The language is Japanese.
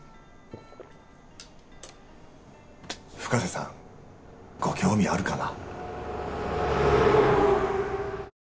深瀬さんご興味あるかな？